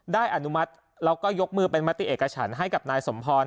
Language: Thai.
อนุมัติแล้วก็ยกมือเป็นมติเอกฉันให้กับนายสมพร